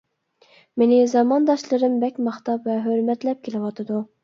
مېنى زامانداشلىرىم بەك ماختاپ ۋە ھۆرمەتلەپ كېلىۋاتىدۇ.